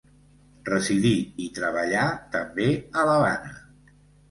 Residí i treballà també a l'Havana.